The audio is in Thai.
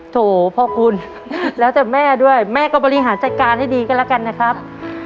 โถพ่อคุณแล้วแต่แม่ด้วยแม่ก็บริหารจัดการให้ดีกันแล้วกันนะครับ